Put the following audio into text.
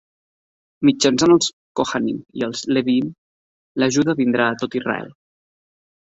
Mitjançant els Kohanim i els Levi'im, l'ajuda vindrà a tot Israel.